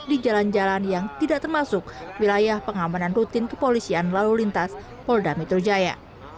di jalan jalan yang tidak termasuk wilayah pengamanan rutin kepolisian lalu lintas polda metro jaya